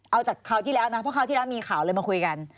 เอาจากคราวที่แล้วนะเพราะคราวที่แล้วมีข่าวเลยมาคุยกัน